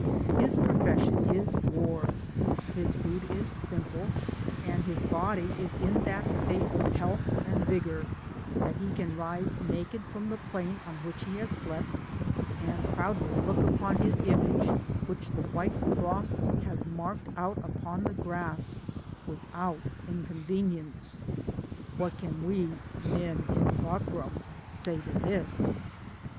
His profession is War, Digitized byGoogk 1^ IHE PAMPAS INDIANS* his food is simple^ and his body is in that state of health and vigour, that he can rise naked from the plain on which he has slept, and proudly look upon his image which the white frost has marked out Upon the grass without inconvenience. What can we *' men in buckram*' say to this